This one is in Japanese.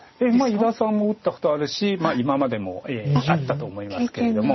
伊田さんも打ったことあるし今までもあったと思いますけれども。